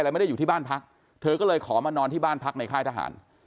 ไม่ได้อยู่ที่บ้านพักเธอก็เลยขอมานอนที่บ้านพักในค่ายทหาร